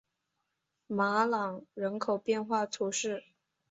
马朗人口变化图示